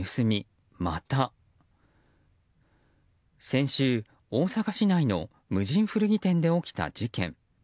先週、大阪市内の無人古着店で起きた事件。